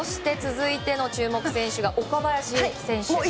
続いての注目選手が岡林選手。